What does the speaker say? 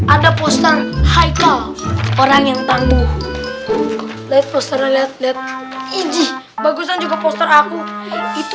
ada poster hai kau orang yang tangguh let's poster lihat lihat iji bagusnya juga poster aku itu